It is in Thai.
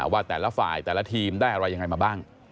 ว่าแต่ละฝ่ายแต่ละทีมได้อะไรยังไงมาบ้าง